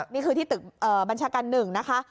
นี่คือที่ตึกบัญชาการ๑นะคะ